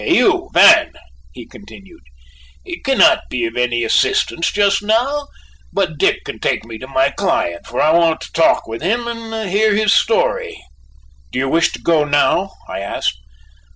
You, Van!" he continued, "cannot be of any assistance just now, but Dick can take me to my client, for I want to talk with him and hear his story." "Do you wish to go now?" I asked.